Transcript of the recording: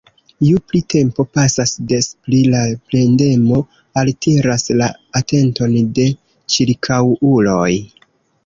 Ju pli tempo pasas, des pli la plendemo altiras la atenton de ĉirkaŭuloj.